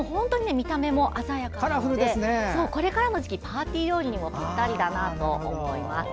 見た目も鮮やかなのでこれからの時期パーティー料理にもぴったりだなと思いました。